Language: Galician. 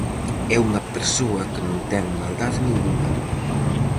É unha persoa que non ten maldade ningunha.